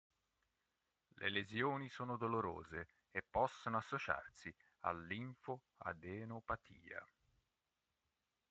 Le lesioni sono dolorose e possono associarsi a linfoadenopatia.